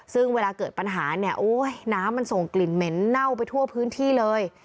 ซึ่งเวลาเกิดปัญหาเนี่ยโอ้ยน้ำมันส่งกลิ่นเหม็นเน่าไปทั่วพื้นที่เลย